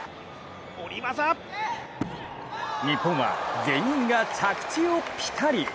日本は全員が着地をぴたり。